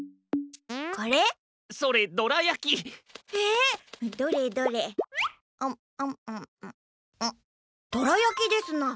どらやきですな。